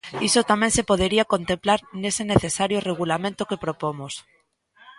Iso tamén se podería contemplar nese necesario regulamento que propomos.